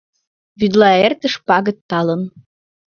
Вӱдла эртыш пагыт талын.